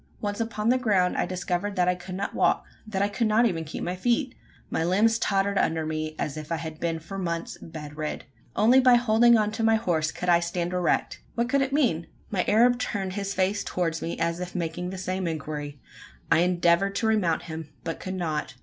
Once upon the ground, I discovered that I could not walk that I could not even keep my feet! My limbs tottered under me, as if I had been for months bed rid. Only by holding on to my horse could I stand erect! What could it mean? My Arab turned his face towards me, as if making the same inquiry! I endeavoured to remount him, but could not.